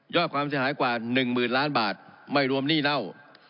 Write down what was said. ความเสียหายกว่า๑หมื่นล้านบาทไม่รวมหนี้เน่า